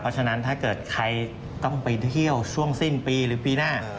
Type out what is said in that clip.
เพราะฉะนั้นถ้าเกิดใครต้องไปเที่ยวช่วงสิ้นปีหรือปีหน้า